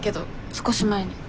少し前に。